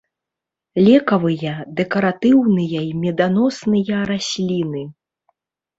Лекавыя, дэкаратыўныя і меданосныя расліны.